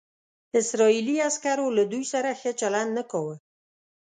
اسرائیلي عسکرو له دوی سره ښه چلند نه کاوه.